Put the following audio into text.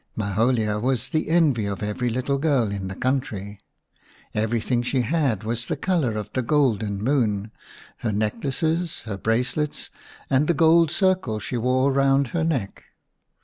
Maholia was the envy of every little girl in the country^E very thing she had was the colour of the golden moon, her necklaces, her bracelets^ and the gold circle she wore round her neck.